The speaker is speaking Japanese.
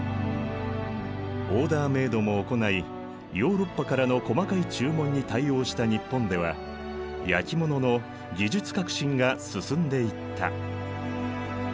オーダーメードも行いヨーロッパからの細かい注文に対応した日本では焼き物の技術革新が進んでいった。